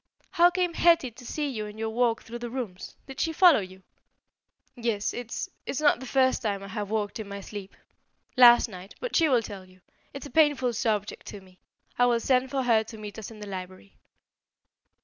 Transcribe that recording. How came Hetty to see you in your walk through the rooms? Did she follow you?" "Yes. It's it's not the first time I have walked in my sleep. Last night but she will tell you. It's a painful subject to me. I will send for her to meet us in the library."